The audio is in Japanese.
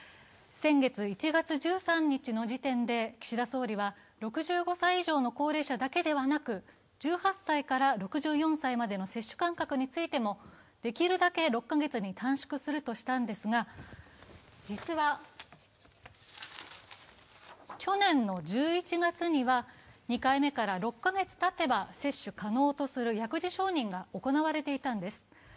先月１月１３日の時点で、岸田総理は６５歳以上の高齢者だけではなく、１８歳から６４歳までの接種間隔についてもできるだけ６カ月に短縮するとしたんですが実は去年の１１月には２回目から６カ月たてば接種可能とする薬事承認が行われていたのです。